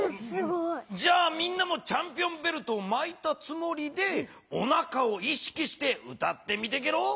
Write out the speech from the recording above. じゃあみんなもチャンピオンベルトをまいたつもりでおなかを意識して歌ってみてゲロ。